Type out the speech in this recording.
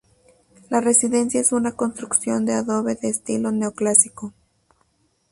La residencia es una construcción de adobe de estilo neoclásico.